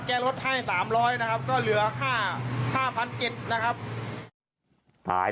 ลดให้๓๐๐นะครับก็เหลือค่า๕๗๐๐นะครับ